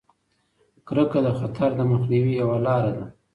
کرکه د خطر د مخنیوي یوه لاره ده.